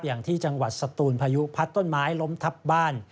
อย่างที่จังหวัดสตูนพายุพัดต้นไม้ล้มทับบ้าน